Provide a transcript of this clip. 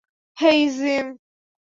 হেই, gym!